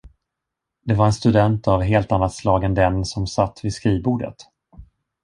Det var en student av helt annat slag än den, som satt vid skrivbordet.